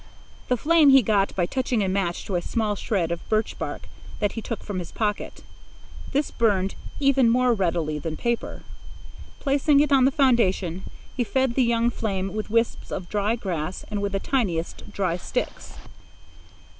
The flame he got by touching a match to a small shred of birch bark that he took from his pocket. This burned even more readily than paper. Placing it on the foundation, he fed the young flame with wisps of dry grass and with the tiniest dry twigs.